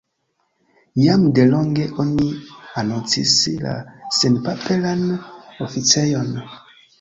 Jam delonge oni anoncis la senpaperan oficejon.